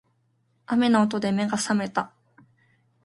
雨の音で目が覚めた